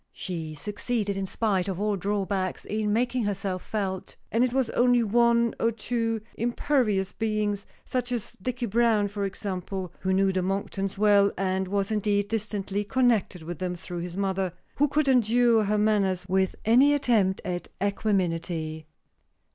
She succeeded, in spite of all drawbacks, in making herself felt; and it was only one or two impervious beings, such is Dicky Browne for example (who knew the Monktons well, and was indeed distantly connected with them through his mother), who could endure her manners with any attempt at equanimity.